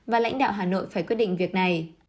và lãnh đạo hà nội phải quyết định việc này